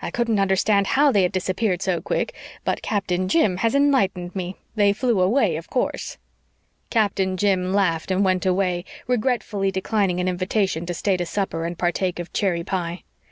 I couldn't understand how they had disappeared so quick, but Captain Jim has enlightened me. They flew away, of course." Captain Jim laughed and went away, regretfully declining an invitation to stay to supper and partake of cherry pie.